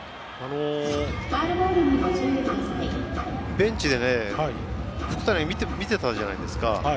ベンチで福谷は見ていたじゃないですか。